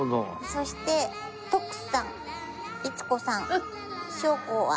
そして徳さん律子さん。